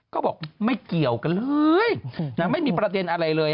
ก็บอกไม่เกี่ยวกันเลยไม่มีประเด็นอะไรเลย